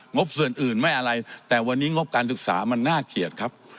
บส่วนอื่นไม่อะไรแต่วันนี้งบการศึกษามันน่าเกลียดครับ